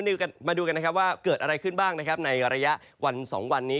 แต่มาดูกันว่าเกิดอะไรขึ้นบ้างในระยะวัน๒วันนี้